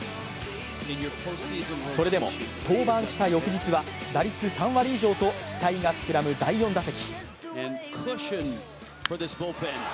それでも登板した翌日は打率３割以上と期待が膨らむ第４打席。